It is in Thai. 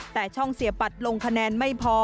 แต่ช่องเสียปัดลงคะแนนไม่พอ